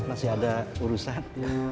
masih ada urusan